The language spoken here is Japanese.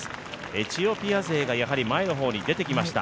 エチオピア勢がやはり前の方に出てきました。